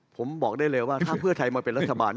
ผมบอกได้เลยว่าถ้าเพื่อไทยมาเป็นรัฐบาล